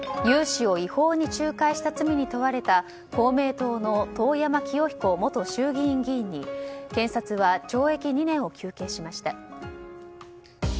融資を違法に仲介した罪に問われた公明党の遠山清彦元衆議院議員に検察は懲役２年を求刑しました。